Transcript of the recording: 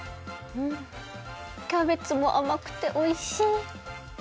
うんキャベツもあまくておいしい！